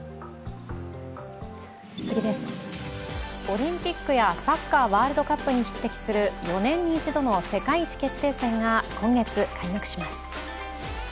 オリンピックやサッカーワールドカップに匹敵する４年に１度の世界一決定戦が今月開幕します。